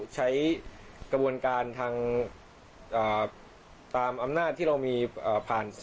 ชัยกระบวนการสามารถแล้วตามอำนาจที่เรามีผ่าน